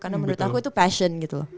karena menurut aku itu passion gitu loh